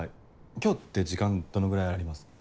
今日って時間どのぐらいありますか？